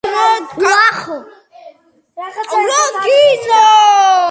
სამხრეთ-აღმოსავლეთ კალთებზე გაწოლილია ორი პატარა მყინვარი.